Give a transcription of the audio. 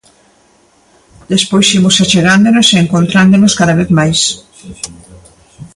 Despois imos achegándonos e encontrándonos cada vez máis.